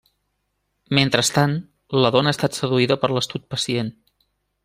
Mentrestant, la dona ha estat seduïda per l'astut pacient.